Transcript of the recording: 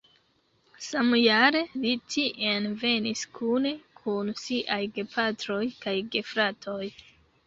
Samjare li tien venis kune kun siaj gepatroj kaj gefratoj.